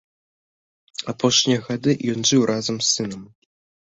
Апошнія гады ён жыў разам з сынам.